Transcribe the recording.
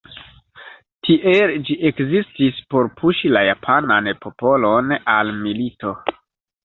Tiel ĝi ekzistis por puŝi la japanan popolon al milito.